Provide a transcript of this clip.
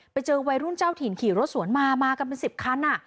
ไปเจอวัยรุ่นเจ้าถิ่นขี่รถสวนมามากันเป็น๑๐คัน